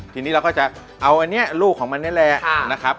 ทีนี้เราก็จะเอาอันนี้ลูกของมันนี่แหละนะครับ